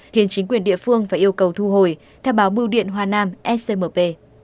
khiến chính quyền địa phương phải yêu cầu thu hồi theo báo bưu điện hoa nam smp